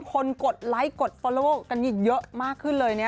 กดไลค์กดฟอลโลกันเยอะมากขึ้นเลยนะ